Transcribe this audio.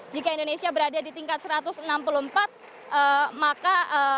jika indonesia berada di tingkat satu ratus enam puluh empat maka